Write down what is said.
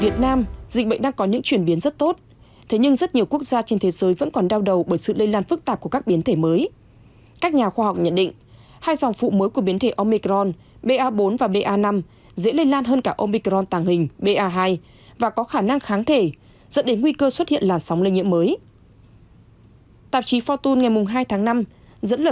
các bạn hãy đăng ký kênh để ủng hộ kênh của chúng mình nhé